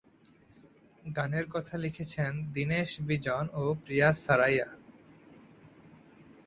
গানের কথা লিখেছেন দীনেশ বিজন ও প্রিয়া সারাইয়া।